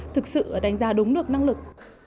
thực sự đánh giá đúng được năng lực